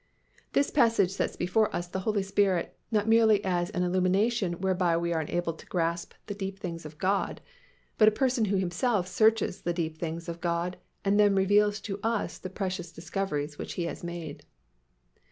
This passage sets before us the Holy Spirit, not merely as an illumination whereby we are enabled to grasp the deep things of God, but a Person who Himself searches the deep things of God and then reveals to us the precious discoveries which He has made.